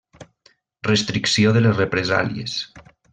Restricció de les represàlies.